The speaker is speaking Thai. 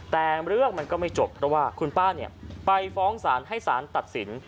แต่เรื่องมันก็ไม่จบเพราะว่าคุณป้าไปฟ้องศาลให้สารตัดสิน